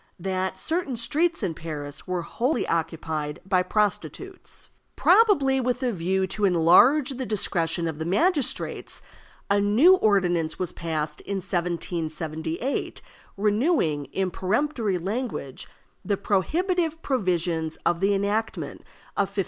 That certain streets in Paris were wholly occupied by prostitutes. Probably with a view to enlarge the discretion of the magistrates, a new ordinance was passed in 1778, renewing, in peremptory language, the prohibitive provisions of the enactment of 1560.